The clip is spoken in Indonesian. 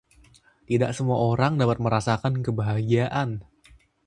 Tidak semua orang dapat merasakan kebahagiaan.